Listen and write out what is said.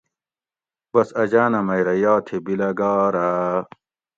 بس اجانہ مئی رہ یاتھی بِلیگارہ